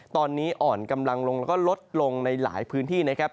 ตอนนี้อ่อนกำลังลงแล้วก็ลดลงในหลายพื้นที่นะครับ